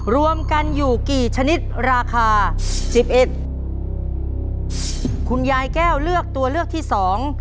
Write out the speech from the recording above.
รวมกันอยู่กี่ชนิดราคาสิบเอ็ดคุณยายแก้วเลือกตัวเลือกที่สอง